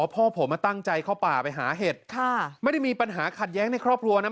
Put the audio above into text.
พ่อผมตั้งใจเข้าป่าไปหาเห็ดค่ะไม่ได้มีปัญหาขัดแย้งในครอบครัวนะ